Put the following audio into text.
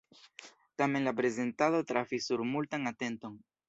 Tamen la prezentado trafis sur multan atenton.